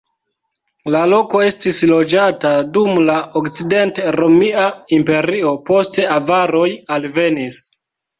La loko estis loĝata dum la Okcident-Romia Imperio, poste avaroj alvenis.